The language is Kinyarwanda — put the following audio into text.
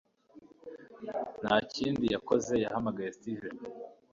ntakindi yakoze yahamagaye steven